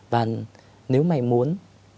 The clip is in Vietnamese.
và nếu mày muốn